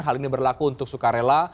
hal ini berlaku untuk sukarela